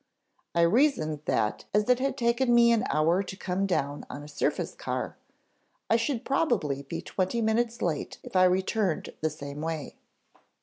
I reasoned that as it had taken me an hour to come down on a surface car, I should probably be twenty minutes late if I returned the same way.